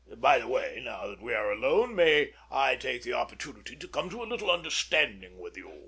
By the way, now that we are alone, may I take the opportunity to come to a little understanding with you?